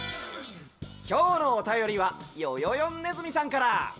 きょうのおたよりはよよよんネズミさんから。